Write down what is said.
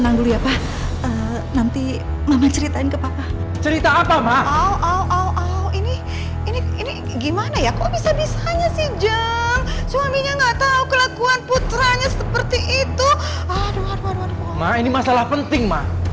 sampai ketemu tentang loang